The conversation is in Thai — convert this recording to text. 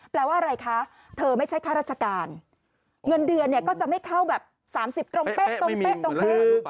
แปลว่าอะไรคะเธอไม่ใช่ค่าราชการเงินเดือนเนี่ยก็จะไม่เข้าแบบ๓๐ตรงเป๊ะตรงเป๊ะตรงเป๊ะ